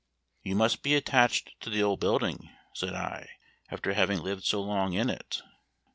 "You must be attached to the old building," said I, "after having lived so long in it."